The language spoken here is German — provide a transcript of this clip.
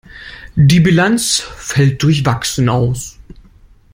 Die Bilanz fällt durchwachsen aus.